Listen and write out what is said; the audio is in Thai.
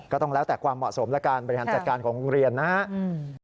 ก็ต้องแล้วแต่ความเหมาะสมและการบริหารจัดการของโรงเรียนนะครับ